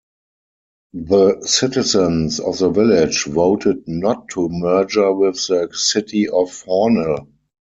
The citizens of the village voted not to merger with the City of Hornell.